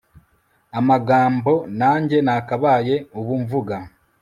amagambo, nanjye nakabaye ubu mvuga